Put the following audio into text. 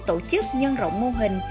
tổ chức nhân rộng mô hình